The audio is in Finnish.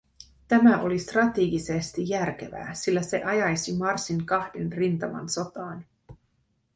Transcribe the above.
Tämä oli strategisesti järkevää, sillä se ajaisi Marsin kahden rintaman sotaan.